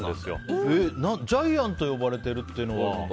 ジャイアンと呼ばれているというのは？